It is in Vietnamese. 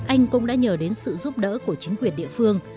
anh cũng đã nhờ đến sự giúp đỡ của chính quyền địa phương